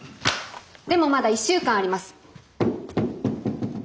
でもまだ１週間あります。